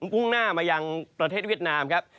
มุ่งหน้ามายังประเทศเวียดนามครับ